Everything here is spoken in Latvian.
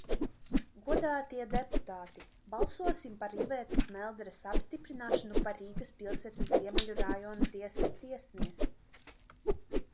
Godātie deputāti, balsosim par Ivetas Melderes apstiprināšanu par Rīgas pilsētas Ziemeļu rajona tiesas tiesnesi.